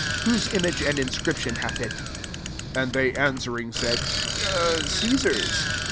Whose image and inscription hath it?" And they answering, said, "Cesar's."